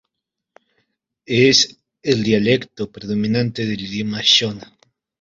Es el dialecto predominante del idioma shona.